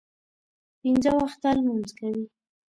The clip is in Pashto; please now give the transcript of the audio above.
پنځه وخته لمونځ کوي.